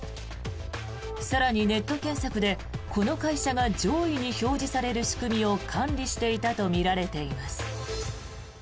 更に、ネット検索でこの会社が上位に表示される仕組みを管理していたとみられています。